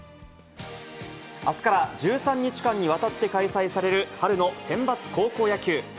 あすから１３日間にわたって開催される春のセンバツ高校野球。